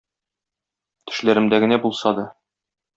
Төшләремдә генә булса да.